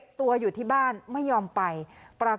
กลับมาไปเลยไม่ต้องเก่ง